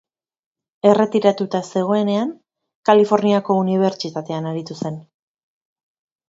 Erretiratuta zegoenean Kaliforniako Unibertsitatean aritu zen.